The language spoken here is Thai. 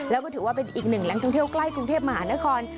แล้วก็ถือว่าเป็นอีกหนึ่งแหล่งท่องเที่ยวใกล้กรุงเทพมหานคร